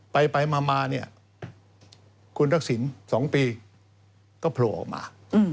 ไปมาคุณทักษิณสองปีก็โผล่ออกมา